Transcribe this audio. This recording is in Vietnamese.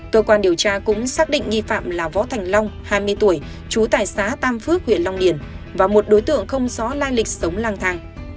cơ quan điều tra cũng xác định nghi phạm là võ thành long hai mươi tuổi chú tài xá tam phước huyện long điển và một đối tượng không rõ lai lịch sống lang thang